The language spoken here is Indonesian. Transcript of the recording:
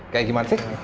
kayak gimana sih